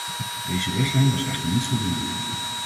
Deze richtlijn was echter niet voldoende.